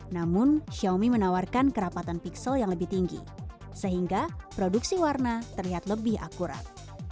namun xiaomi menawarkan kerapatan pixel yang lebih tinggi sehingga produksi warna terlihat lebih akurat